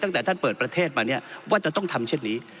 ตั้งแต่ท่านเปิดประเทศมาเนี่ยว่าจะต้องทำเช่นนี้